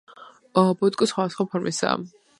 ბუტკო სხვადასხვა ფორმისაა.